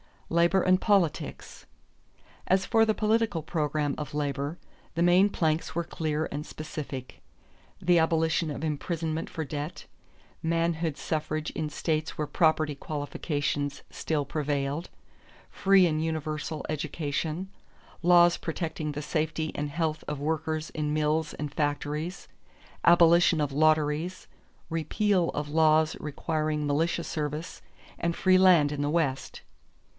=Labor and Politics.= As for the political program of labor, the main planks were clear and specific: the abolition of imprisonment for debt, manhood suffrage in states where property qualifications still prevailed, free and universal education, laws protecting the safety and health of workers in mills and factories, abolition of lotteries, repeal of laws requiring militia service, and free land in the West.